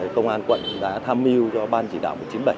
công an quận đã tham mưu cho ban chỉ đạo chín mươi bảy